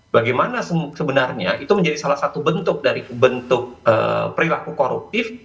bagaimana sebenarnya itu menjadi salah satu bentuk dari bentuk perilaku koruptif